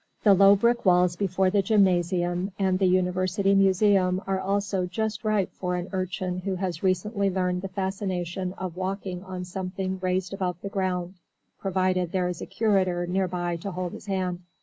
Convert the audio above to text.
The low brick walls before the gymnasium and the University museum are also just right for an Urchin who has recently learned the fascination of walking on something raised above the ground, provided there is a curator near by to hold his hand.